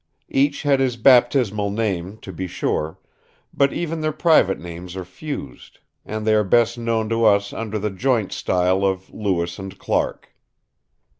Each had his baptismal name, to be sure; but even their private names are fused, and they are best known to us under the joint style of Lewis and Clark.